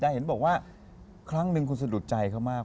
แต่เห็นบอกว่าครั้งหนึ่งคุณสะดุดใจเขามาก